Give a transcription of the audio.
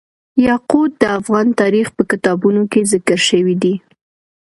یاقوت د افغان تاریخ په کتابونو کې ذکر شوی دي.